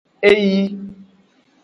Eyi.